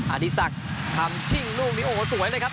อาธิสักรรมชิ่งรูกนี้โอ้โหสวยเลยครับ